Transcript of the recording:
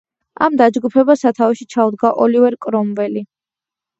ამ დაჯგუფებას სათავეში ჩაუდგა ოლივერ კრომველი.